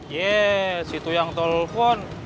ye situ yang telepon